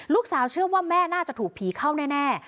เชื่อว่าแม่น่าจะถูกผีเข้าแน่